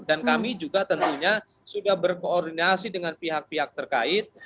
dan kami juga tentunya sudah berkoordinasi dengan pihak pihak terkait